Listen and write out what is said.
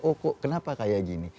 oh kok kenapa kayak gini